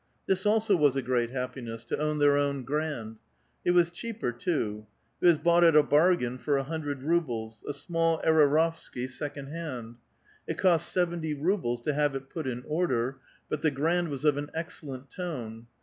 This also was a great happiness, to own their own grand ; it was cheaper, too. It was bought at a bargain, for a hundred rubles, — a small !Erarovski, second hand ; it cost seventy rubles to have it .put in order ; but the grand was of an excellent tone.